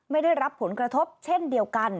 ได้รับผลกระทบเช่นเดียวกัน